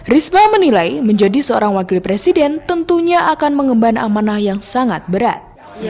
risma menilai menjadi seorang wakil presiden tentunya akan mengemban amanah yang sangat berat